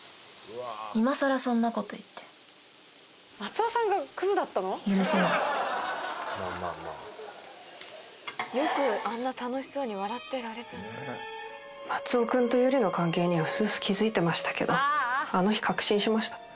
今さらそんなこと言って許せないよくあんな楽しそうに笑ってられた松尾君とユリの関係にはうすうす気づいてましたけどあの日確信しました